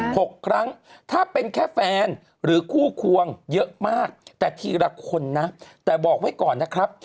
หกครั้งถ้าเป็นแค่แฟนหรือคู่ควงเยอะมากแต่ทีละคนนะแต่บอกไว้ก่อนนะครับ